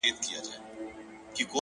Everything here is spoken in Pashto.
• پر رګونو یې له ویري زلزله وه ,